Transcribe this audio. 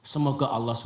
semoga allah swt